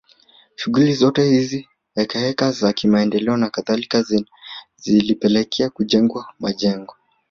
Shughuli zote hizi heka heka za kimaendeleo na kadhalika zilipelekea kujengwa majengo